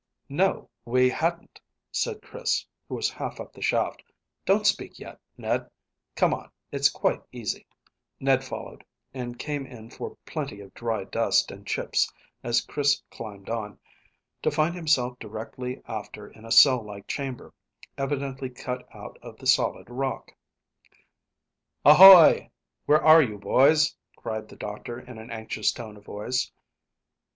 "No, we hadn't," said Chris, who was half up the shaft. "Don't speak yet, Ned. Come on; it's quite easy." Ned followed, and came in for plenty of dry dust and chips as Chris climbed on, to find himself directly after in a cell like chamber, evidently cut out of the solid rock. "Ahoy! Where are you, boys?" cried the doctor, in an anxious tone of voice.